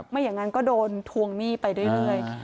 ไม่อย่างนั้นก็โดนทวงหนี้ไปเรื่อย